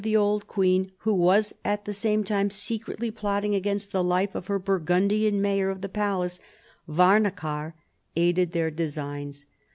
31 the old queen, who was at the same time secretly plotting against the life of her Burgundian mayor of the palace, Warnachar, aided their designs.